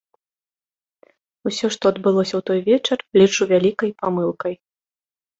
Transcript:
Усё, што адбылося ў той вечар, лічу вялікай памылкай.